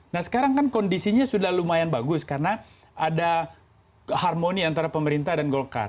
nah sekarang kan kondisinya sudah lumayan bagus karena ada harmoni antara pemerintah dan golkar